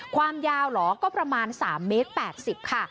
ความยาวเหรอก็ประมาณ๓เมตร๘๐ค่ะ